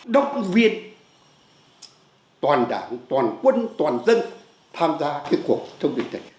động viên toàn đảng toàn quân toàn dân tham gia cái cuộc chống dịch này